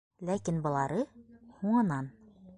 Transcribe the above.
Ләкин былары - һуңынан.